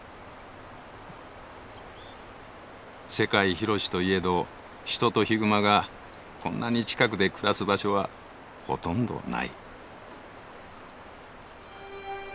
世界広しといえど人とヒグマがこんなに近くで暮らす場所はほとんどない。